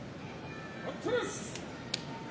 待ったなし。